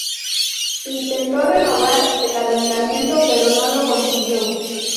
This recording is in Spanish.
Intentó renovar el arrendamiento, pero no lo consiguió.